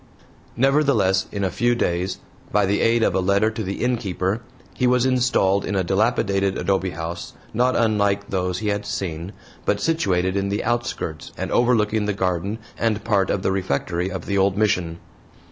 Nevertheless, in a few days, by the aid of a letter to the innkeeper, he was installed in a dilapidated adobe house, not unlike those he had seen, but situated in the outskirts and overlooking the garden and part of the refectory of the old Mission.